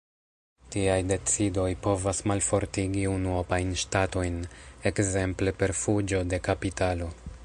Tiaj decidoj povas malfortigi unuopajn ŝtatojn, ekzemple per fuĝo de kapitalo.